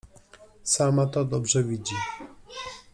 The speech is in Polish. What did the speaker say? — Sama to dobrze widzi.